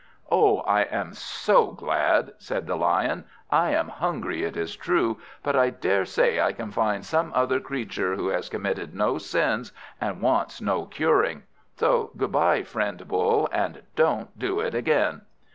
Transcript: '" "Oh, I am so glad!" said the Lion. "I am hungry, it is true, but I daresay I can find some other creature, who has committed no sins, and wants no curing. So good bye, friend Bull, and don't do it again."